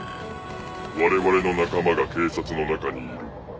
我々の仲間が警察の中にいる。